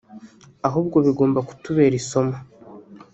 ahubwo bigomba kutubera isomo